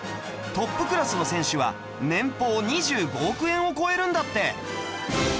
トップクラスの選手は年俸２５億円を超えるんだって